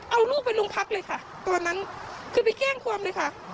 เอาลูกไปโรงพักเลยค่ะตอนนั้นคือไปแจ้งความเลยค่ะ